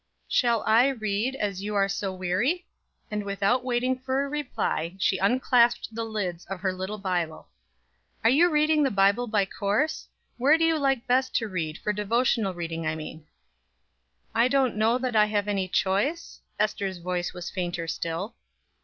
"Shall I read, as you are so weary?" and, without waiting for a reply, she unclasped the lids of her little Bible. "Are you reading the Bible by course? Where do you like best to read, for devotional reading I mean?" "I don't know that I have any choice?" Ester's voice was fainter still.